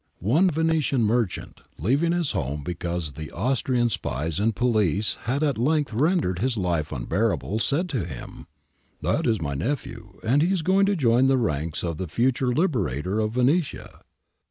One Venetian merchant, leaving his home because the Austrian spies and police had at length rendered his life unbearable, said to him :' That is my nephew, and he is going to join the ranks of the future liberator of Venetia.